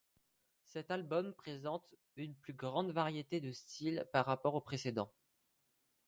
Cet album présente une plus grande variété de styles par rapport au précédent.